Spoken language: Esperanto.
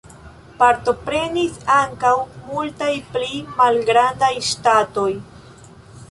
Partoprenis ankaŭ multaj pli malgrandaj ŝtatoj.